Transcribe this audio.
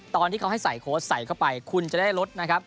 ตอนที่เขาให้ใส่โค้ชใส่เข้าไปคุณจะได้ลดนะครับ